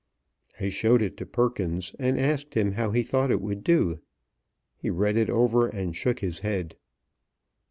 I showed it to Perkins, and asked him how he thought it would do. He read it over and shook his head.